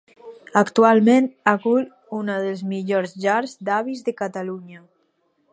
Actualment acull una de les millors llars d'avis de Catalunya.